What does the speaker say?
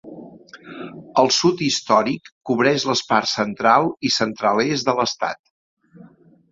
El Sud Històric cobreix les parts central i central-est de l"estat.